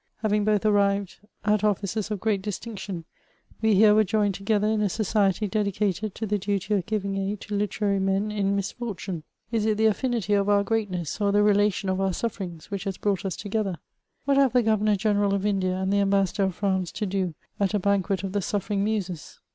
Having both arrived at offices of great distinction, we here were joined togedier in. a society dedicated to the duty of giving aid to literary men in misfortune. Is it the affinity of our g^reatness, or the relation of our suffisrings^ which has brought us together ? What have the Governor : general of Lidia and the Ambassador of France to do at a banquet of the sufFeriog Muses